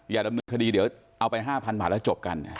อย่าดำเนินคดีเดี๋ยวเอาไป๕๐๐บาทแล้วจบกัน